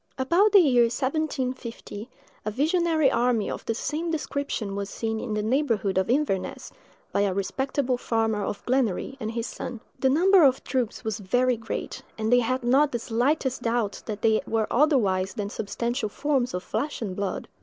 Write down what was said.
About the year 1750, a visionary army of the same description was seen in the neighborhood of Inverness, by a respectable farmer, of Glenary, and his son. The number of troops was very great, and they had not the slightest doubt that they were otherwise than substantial forms of flesh and blood.